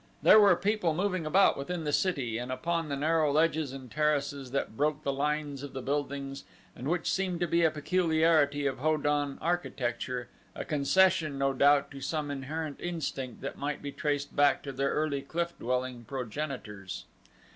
There were people moving about within the city and upon the narrow ledges and terraces that broke the lines of the buildings and which seemed to be a peculiarity of Ho don architecture, a concession, no doubt, to some inherent instinct that might be traced back to their early cliff dwelling progenitors.